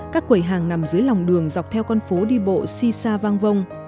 các quầy hàng nằm dưới lòng đường dọc theo con phố đi bộ si sa vang vông